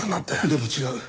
でも違う。